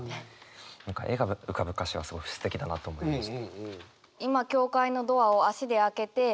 何か絵が浮かぶ歌詞はすごいすてきだなと思いました。